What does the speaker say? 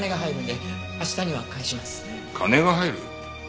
金が入る？